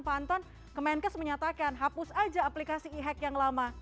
panton ke menkes menyatakan hapus aja aplikasi e hack yang lama